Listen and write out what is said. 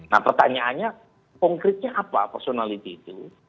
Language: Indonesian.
nah pertanyaannya konkretnya apa personality itu